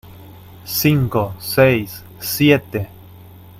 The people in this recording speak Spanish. cinco, seis , siete